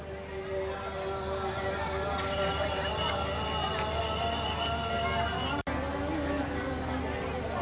dan mengambil banyak pelajaran darinya